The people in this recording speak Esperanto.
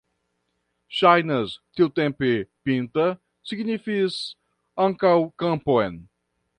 Ŝajnas, tiutempe pinta signifis ankaŭ kampon.